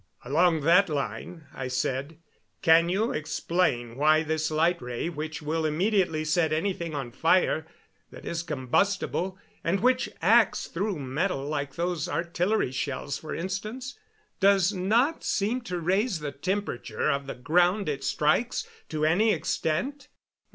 "Along that line," I said, "can you explain why this light ray, which will immediately set anything on fire that is combustible, and which acts through metal, like those artillery shells, for instance, does not seem to raise the temperature of the ground it strikes to any extent?"